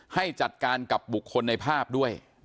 ให้จัดการกับบุคคลในภาพด้วย